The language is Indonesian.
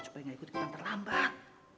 supaya nggak ikut kita terlambat